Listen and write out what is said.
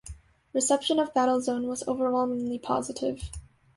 Reception of "Battlezone" was overwhelmingly positive.